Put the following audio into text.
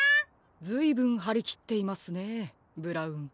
ずいぶんはりきっていますねブラウン。